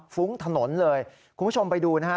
ฟุ้งถนนเลยคุณผู้ชมไปดูนะครับ